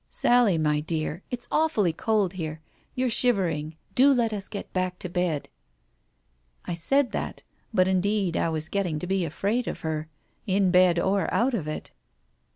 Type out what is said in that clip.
"Sally, my dear, it's awfully cold here! You're shivering. Do let us get back to bed !" I said that, but indeed I was getting to be afraid of her, in bed or out of it.